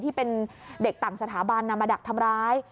ที่เป็นเด็กต่างสถาบันนำมาดักทำร้าย